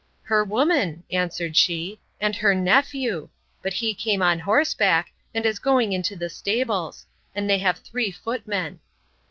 Her woman, answered she, and her nephew; but he came on horseback, and is going into the stables; and they have three footmen.